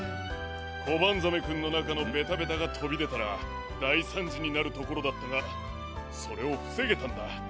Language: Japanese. コバンザメくんのなかのベタベタがとびでたらだいさんじになるところだったがそれをふせげたんだ。